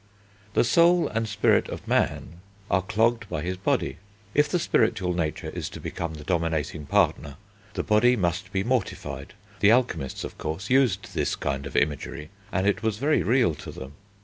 The soul and spirit of man are clogged by his body. If the spiritual nature is to become the dominating partner, the body must be mortified: the alchemists, of course, used this kind of imagery, and it was very real to them.